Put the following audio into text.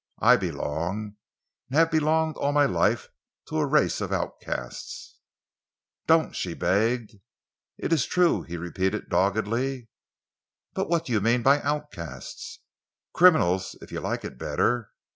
I belong, and have belonged all my life, to a race of outcasts." "Don't!" she begged. "It is true," he repeated doggedly. "But what do you mean by outcasts?" "Criminals, if you like it better.